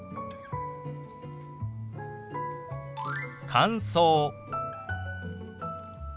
「乾燥」。